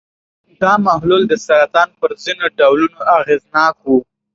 دا محلول د سرطان پر ځینو ډولونو اغېزناک و.